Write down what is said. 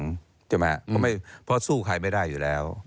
เข้าใจไหมฮะเพราะสู้ใครไม่ได้อยู่แล้ว